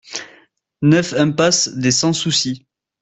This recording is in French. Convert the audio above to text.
neuf impasse des Sans Soucis